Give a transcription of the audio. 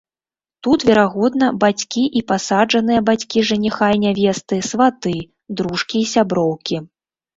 Тут, верагодна, бацькі і пасаджаныя бацькі жаніха і нявесты, сваты, дружкі і сяброўкі.